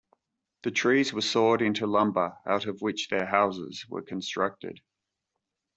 The trees were sawed into lumber out of which their houses were constructed.